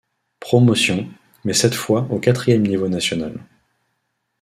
Promotion, mais cette fois au quatrième niveau national.